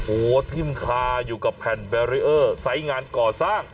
โอ้โหทิ้มคาอยู่กับแผ่นแบรีเออร์ไซส์งานก่อสร้าง